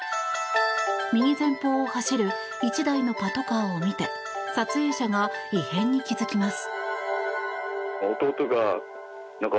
右前方を走る１台のパトカーを見て撮影者が異変に気付きます。